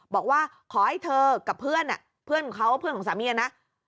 บอกว่าขอให้เธอกับเพื่อน